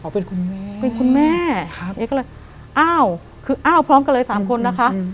เป็นคุณแม่เป็นคุณแม่ครับเอ๊ก็เลยอ้าวคืออ้าวพร้อมกันเลยสามคนนะคะ